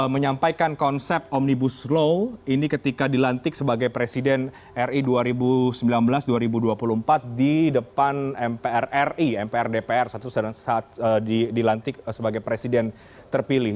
menyampaikan konsep omnibus law ini ketika dilantik sebagai presiden ri dua ribu sembilan belas dua ribu dua puluh empat di depan mpr ri mpr dpr saat dilantik sebagai presiden terpilih